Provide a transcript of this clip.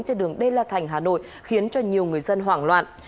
trên đường đê la thành hà nội khiến cho nhiều người dân hoảng loạn